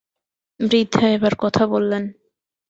বৃদ্ধা এবার কথা বললেন।